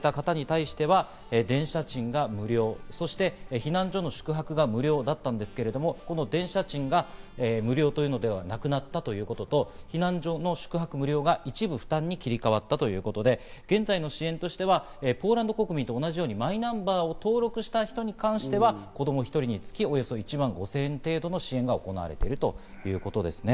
こちら侵攻当初にあたるわけなんですけれども、避難された方に対しては電車賃が無料、そして避難所の宿泊が無料だったんですけれども、この電車賃が無料というのではなくなったということと、避難所の宿泊無料が一部負担に切り替わったということで、現在の支援としてはポーランド国民と同じようにマイナンバーを登録した人に関しては子供１人につきおよそ１万５０００円程度の支援が行われているということですね。